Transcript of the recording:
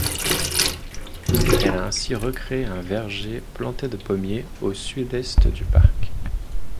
Elle a ainsi recréé un verger planté de pommiers, au sud-est du parc.